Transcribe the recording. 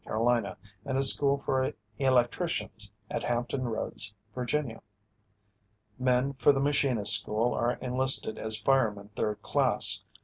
C., and a school for electricians at Hampton Roads, Va. Men for the machinists' school are enlisted as firemen 3rd class.